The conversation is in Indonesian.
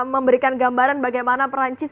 memberikan gambaran bagaimana perancis